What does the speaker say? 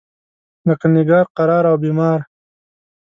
لکه نګار، قرار او بیمار.